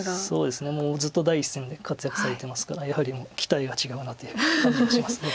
そうですねもうずっと第一線で活躍されてますからやはり期待が違うなという感じがします。